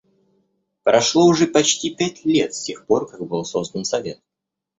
Прошло уже почти пять лет с тех пор, как был создан Совет.